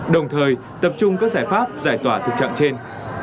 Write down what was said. đồng thời tập trung các giải pháp giải tỏa thực trạng trên